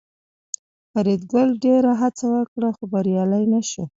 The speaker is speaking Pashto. فریدګل ډېره هڅه وکړه خو بریالی نشو